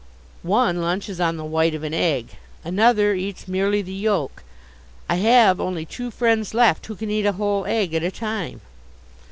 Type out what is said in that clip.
One lunches on the white of an egg. Another eats merely the yolk. I have only two friends left who can eat a whole egg at a time.